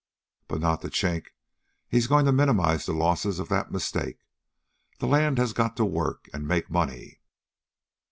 But not the Chink. He's going to minimize the losses of that mistake. That land has got to work, and make money.